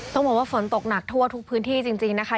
ต้องบอกว่าฝนตกหนักทั่วทุกพื้นที่จริงนะคะ